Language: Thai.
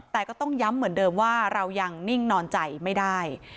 แต่ก็ต้องย้ำเหมือนเดิมว่าเรายังนิ่งนอนใจไม่ได้